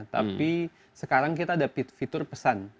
tapi sekarang kita ada fitur pesan